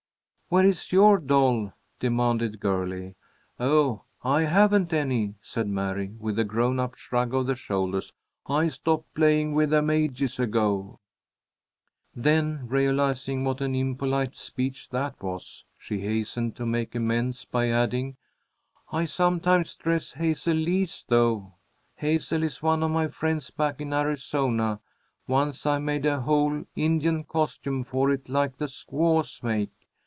"Where is your doll?" demanded Girlie. "Oh, I haven't any," said Mary, with a grown up shrug of the shoulders. "I stopped playing with them ages ago." Then realizing what an impolite speech that was, she hastened to make amends by adding: "I sometimes dress Hazel Lee's, though. Hazel is one of my friends back in Arizona. Once I made a whole Indian costume for it like the squaws make.